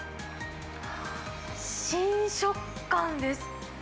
新食感です。